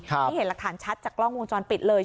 นี่เห็นหลักฐานชัดจากกล้องวงจรปิดเลย